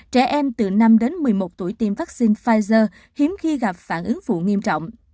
trẻ em từ năm đến một mươi một tuổi tiêm vaccine pfizer hiếm khi gặp phản ứng phụ nghiêm trọng